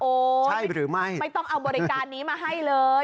ใช่หรือไม่ไม่ต้องเอาบริการนี้มาให้เลย